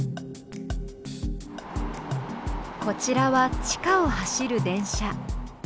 こちらは地下を走る電車。